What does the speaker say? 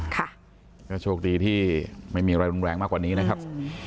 ค่ะก็โชคดีที่ไม่มีอะไรรุนแรงมากกว่านี้นะครับ